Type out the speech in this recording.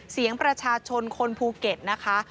เสียงประชาชนคนภูเก็ตนะคะ